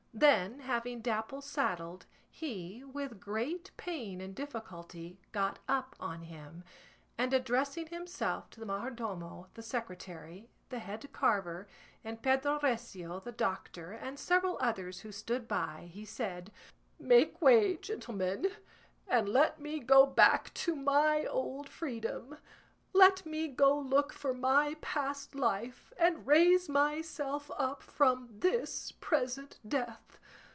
Then having Dapple saddled, he, with great pain and difficulty, got up on him, and addressing himself to the majordomo, the secretary, the head carver, and Pedro Recio the doctor and several others who stood by, he said, "Make way, gentlemen, and let me go back to my old freedom; let me go look for my past life, and raise myself up from this present death.